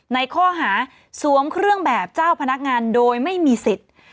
ในข้อหาสวมเครื่องแบบเจ้าพนักงานโดยไม่มีสิทธิ์